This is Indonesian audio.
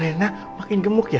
rena makin gemuk ya